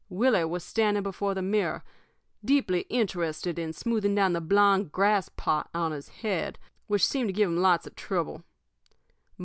Willie was standing before the mirror, deeply interested in smoothing down the blond grass plot on his head, which seemed to give him lots of trouble.